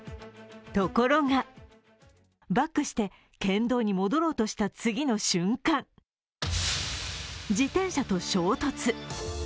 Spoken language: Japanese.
ところが、バックして県道に戻ろうとした次の瞬間、自転車と衝突。